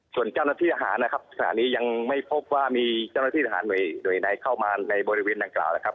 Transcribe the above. ส่วนเจ้าหน้าที่ทหารนะครับขณะนี้ยังไม่พบว่ามีเจ้าหน้าที่ทหารหน่วยไหนเข้ามาในบริเวณดังกล่าวนะครับ